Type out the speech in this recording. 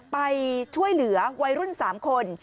ไปช่วยเหลือวัยรุ่น๓คน